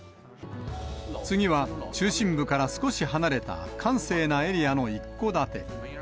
次は、中心部から少し離れた閑静なエリアの一戸建て。